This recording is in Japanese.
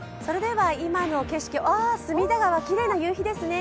今の景色、隅田川、きれいな夕日ですね。